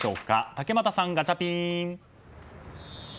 竹俣さん、ガチャピン！